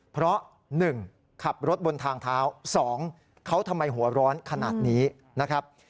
เพราะ๑ขับรถบนทางเท้า๒เขาทำไมหัวร้อนขนาดนี้นะครับ